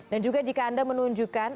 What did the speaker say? dan juga jika anda menunjukkan